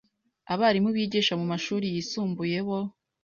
Abarimu bigisha mu mashuri yisumbuye bo,